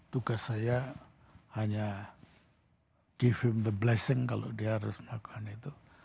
tugas saya hanya di film the blessing kalau dia harus melakukan itu